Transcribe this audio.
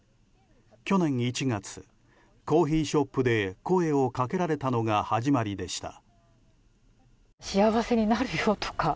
去年１月、コーヒーショップで声をかけられたのが始まりでした。